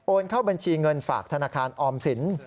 เข้าบัญชีเงินฝากธนาคารออมสิน